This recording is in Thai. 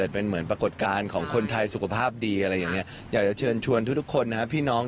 เมื่อกี้อาวุธแบบไปสการวางข่าวสนั่ง